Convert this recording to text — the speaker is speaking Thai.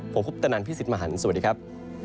ผมคุปตะนันพี่สิทธิ์มหันฯสวัสดีครับ